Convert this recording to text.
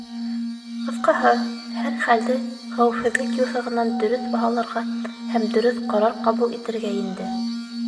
Ҡыҫҡаһы, һәр хәлде хәүефһеҙлек юҫығынан дөрөҫ баһаларға һәм дөрөҫ ҡарар ҡабул итергә инде.